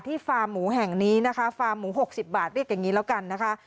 ฟาร์มหมูแห่งนี้นะคะฟาร์มหมู๖๐บาทเรียกอย่างนี้แล้วกันนะคะ